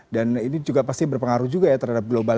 dan ini juga pasti berpengaruh juga ya terhadap global